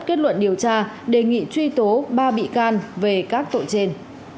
kết luận điều tra đề nghị truy tố ba bị can về các tội trên